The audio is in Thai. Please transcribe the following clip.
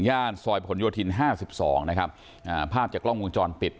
ซอยผลโยธินห้าสิบสองนะครับอ่าภาพจากกล้องวงจรปิด